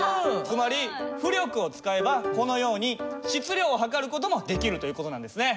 つまり浮力を使えばこのように質量を量る事もできるという事なんですね。